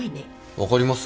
分かります？